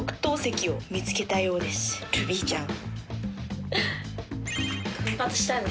ルビーちゃん。